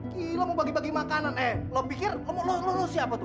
gila mau bagi bagi makanan eh lo mikir lo siapa tuh lo siapa